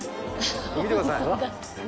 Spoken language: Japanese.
見てください。